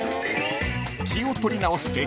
［気を取り直して］